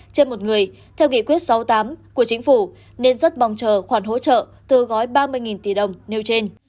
trên một người theo nghị quyết sáu mươi tám của chính phủ nên rất mong chờ khoản hỗ trợ từ gói ba mươi tỷ đồng nêu trên